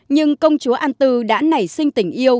nhưng công chúa an tư đã nảy sinh tình yêu